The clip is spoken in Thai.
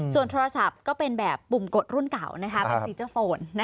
ส่วนโทรศัพท์ก็เป็นแบบปุ่มกดรุ่นเก่าเป็นฟีเจอร์โฟน